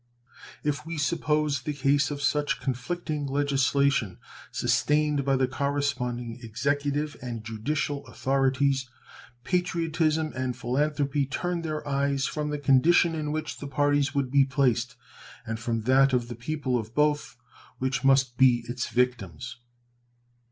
If we suppose the case of such conflicting legislation sustained by the corresponding executive and judicial authorities, patriotism and philanthropy turn their eyes from the condition in which the parties would be placed, and from that of the people of both, which must be its victims.